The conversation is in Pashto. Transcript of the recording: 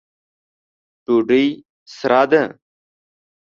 ډوډۍ سره ده